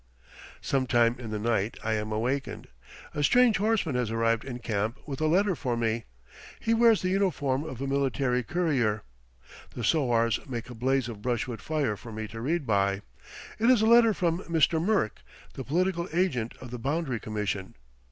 Some time in the night I am awakened. A strange horseman has arrived in camp with a letter for me. He wears the uniform of a military courier. The sowars make a blaze of brushwood for me to read by. It is a letter from Mr. Merk, the political agent of the Boundary Commission.